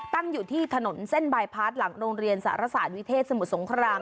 ตั้งอยู่ที่ถนนเส้นบายพาร์ทหลังโรงเรียนสารศาสตร์วิเทศสมุทรสงคราม